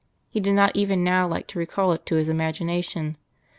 He did not even now like to recall it to his imagination.